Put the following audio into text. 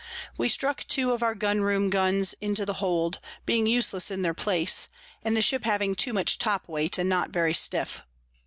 We struck two of our Gun room Guns into the Hold, being useless in their place, and the Ship having too much top weight, and not very stiff.